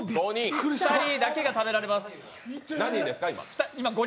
２人だけが食べられます。